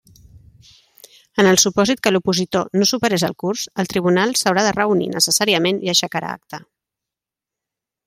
En el supòsit que l'opositor no superés el Curs, el Tribunal s'haurà de reunir necessàriament i aixecà acta.